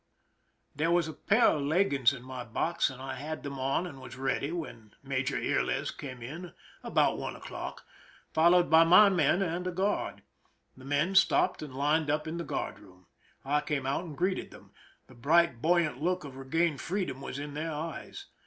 There was a pair of leggings in my box, and I had them on and was ready when Major Yrles came in, about one o'clock, followed by my men and a guard. The men stopped and lined up in the guard room. I came out and greeted them. The bright, buoyant look of regained freedom was in their eyes.